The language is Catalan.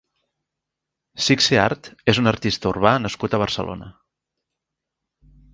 Sixeart és un artista urbà nascut a Barcelona.